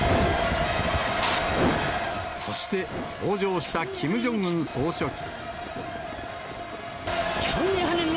そして、登場したキム・ジョンウン総書記。